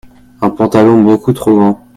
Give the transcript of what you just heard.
un pantalon beaucoup trop grand.